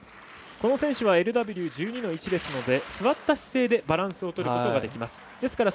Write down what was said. この選手はＬＷ１２‐１ですので座った姿勢でバランスをとることができます。